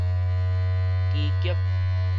基極